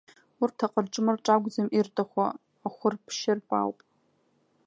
Урҭ аҟырҿ-мырҿ акәӡам ирҭаху, ахәырп-шырп ауп.